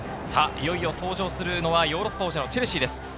いよいよ登場するのはヨーロッパ王者のチェルシーです。